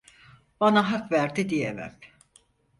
Bana hak verdi diyemem…